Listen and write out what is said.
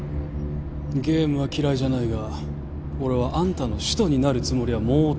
ゲームは嫌いじゃないが俺はあんたの使徒になるつもりは毛頭ない。